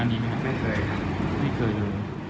ไม่เคยครับ